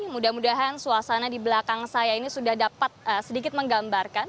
mudah mudahan suasana di belakang saya ini sudah dapat sedikit menggambarkan